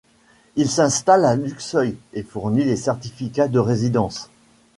Il s'installe à Luxeuil et fournit les certificats de résidence.